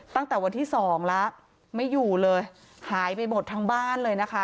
ตั้งแต่วันที่สองแล้วไม่อยู่เลยหายไปหมดทั้งบ้านเลยนะคะ